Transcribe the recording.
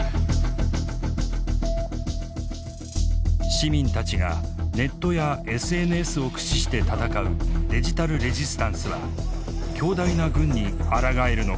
市民たちがネットやＳＮＳを駆使して闘うデジタル・レジスタンスは強大な軍にあらがえるのか。